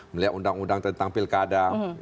melihat undang undang tentang pilkada